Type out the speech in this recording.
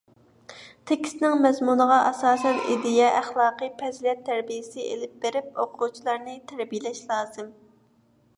تېكىستنىڭ مەزمۇنىغا ئاساسەن ئىدىيە، ئەخلاقىي پەزىلەت تەربىيىسى ئېلىپ بېرىپ، ئوقۇغۇچىلارنى تەربىيىلەش لازىم.